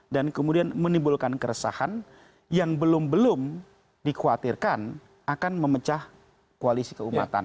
dan kemudian menimbulkan keresahan yang belum belum dikhawatirkan akan memecah koalisi keumatan